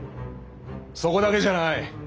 そこだけじゃない！